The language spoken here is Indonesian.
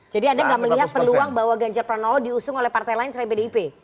jadi anda gak melihat peluang bahwa ganjar pranowo diusung oleh partai lain selain pdip